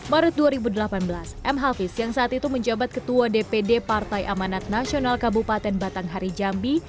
maret dua ribu delapan belas m hafiz yang saat itu menjabat ketua dpd partai amanat nasional kabupaten batanghari jambi